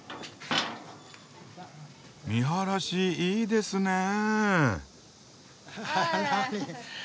見晴らしいいですねえ。